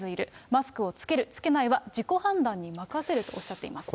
マスクを着ける、着けないは自己判断に任せるとおっしゃっています。